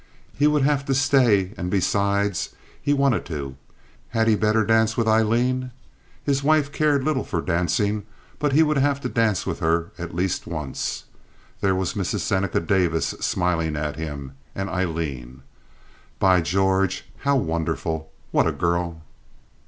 He would have to stay, and, besides, he wanted to. Had he better dance with Aileen? His wife cared little for dancing, but he would have to dance with her at least once. There was Mrs. Seneca Davis smiling at him, and Aileen. By George, how wonderful! What a girl!